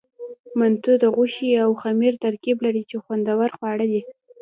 منتو د غوښې او خمیر ترکیب لري، چې خوندور خواړه دي.